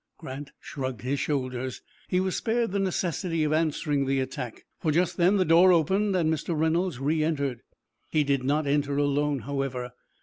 Grant shrugged his shoulders. He was spared the necessity of answering the attack, for just then the door opened, and Mr. Reynolds re entered. He did not enter alone, however.